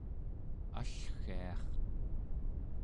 allgiar